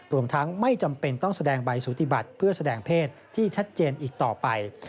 รวมทั้งไม่จำเป็นต้องแสดงใบสูติบัติเพื่อแสดงเพศที่ชัดเจนอีกต่อไป